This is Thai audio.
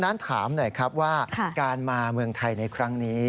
และค่อยแบบเขาจะเห็นให้เราเรื่อย